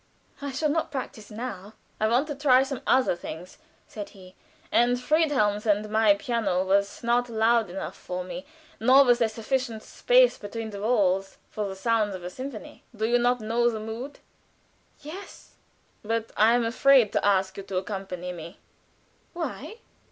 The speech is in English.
I shall not practice now." "I want to try some other things," said he, "and Friedhelm's and my piano was not loud enough for me, nor was there sufficient space between our walls for the sounds of a symphony. Do you not know the mood?" "Yes." "But I am afraid to ask you to accompany me." "Why?"